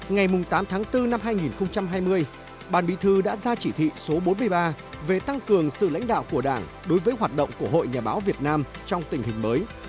ngày tám tháng bốn năm hai nghìn hai mươi bàn bị thư đã ra chỉ thị số bốn mươi ba về tăng cường sự lãnh đạo của đảng đối với hoạt động của hội nhà báo việt nam trong tình hình mới